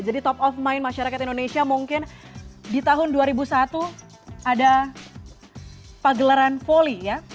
jadi top of mind masyarakat indonesia mungkin di tahun dua ribu satu ada pagelaran voli ya